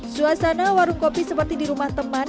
suasana warung kopi seperti di rumah teman